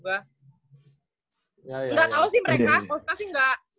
nggak tau sih mereka kalau saya sih nggak